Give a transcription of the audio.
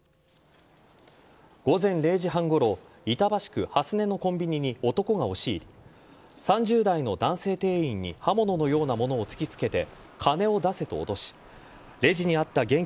午前０時半ごろ板橋区蓮根のコンビニに男が押し入り３０代の男性店員に刃物のようなものを突きつけて金を出せと脅しレジにあった現金